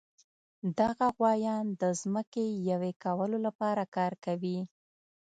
دغه غوایان د ځمکې یوې کولو لپاره کار کوي.